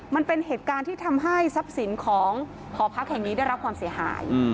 มันเป็นเหตุการณ์ที่ทำให้ทรัพย์สินของหอพักแห่งนี้ได้รับความเสียหาย